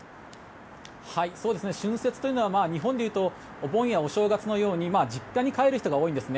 春節というのは日本でいうとお盆やお正月のように実家に帰る人が多いんですね。